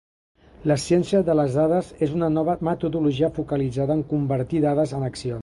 La ciència de les dades és una nova metodologia focalitzada en convertir dades en accions.